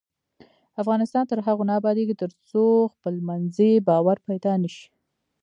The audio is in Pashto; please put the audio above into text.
افغانستان تر هغو نه ابادیږي، ترڅو خپلمنځي باور پیدا نشي.